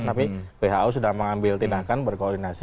tapi who sudah mengambil tindakan berkoordinasi